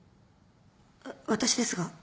私ですが。